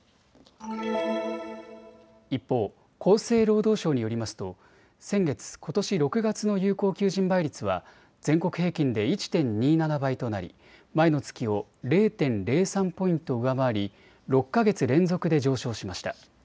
一方、厚生労働省によりますと先月、ことし６月の有効求人倍率は全国平均で１．２７倍となり前の月を０．０３ポイント上回り６か月連続で上昇しました。